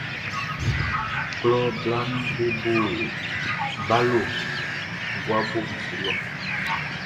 Klɔ blaʼm be bo balo guabo su lɔ.